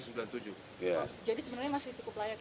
jadi sebenarnya masih cukup layak ya pak